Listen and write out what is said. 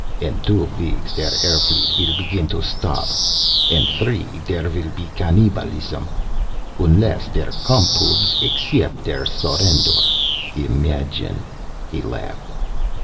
"In two weeks der air fleet will begin to starfe. In three, there will be cannibalism, unless der Com Pubs accept der surrender. Imagine...." He laughed.